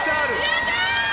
やった！